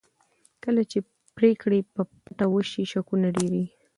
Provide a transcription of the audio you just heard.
کله چې پرېکړې په پټه وشي شکونه ډېرېږي